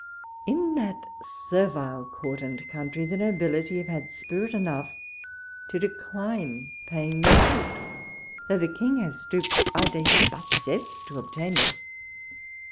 In that servile Court and country, the nobility have had spirit enough to decline paying their court, though the King has stooped a dcs hassexses to obtain it.